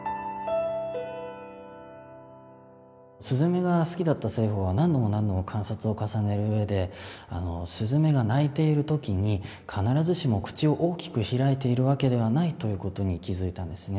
すずめが好きだった栖鳳は何度も何度も観察を重ねるうえですずめが鳴いている時に必ずしも口を大きく開いているわけではないということに気付いたんですね。